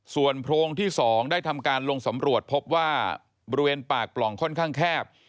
ส่วนโพรงที่๒ได้ทำการลงสำรวจพบว่าบริเวณปากปล่องค่อนข้างแคบ